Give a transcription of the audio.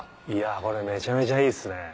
これめちゃめちゃいいですね。